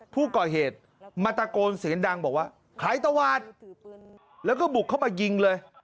ผู้ก่อเหตุมาตะโกนเสียงดังบอกว่าใครตวาดแล้วก็บุกเข้ามายิงเลย